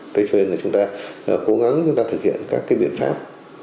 tây cho nên là chúng ta cố gắng chúng ta thực hiện các cái biện pháp